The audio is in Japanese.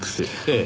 ええ。